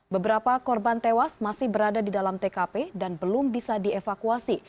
beberapa korban tewas masih berada di dalam tkp dan belum bisa dievakuasi